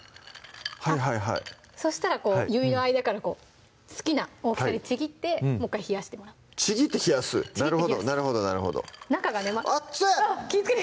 はいはいはいそしたらこう指の間からこう好きな大きさにちぎってもっかい冷やしてもらうちぎって冷やすなるほどなるほどなるほど中がね熱っ！